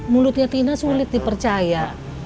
mulutnya tina sulit dipercaya